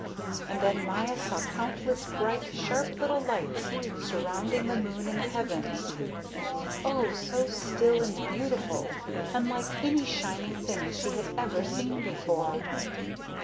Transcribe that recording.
And then Maya saw countless bright, sharp little lights surrounding the moon in the heavens oh, so still and beautiful, unlike any shining things she had ever seen before.